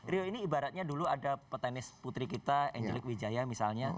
rio ini ibaratnya dulu ada petenis putri kita angelik wijaya misalnya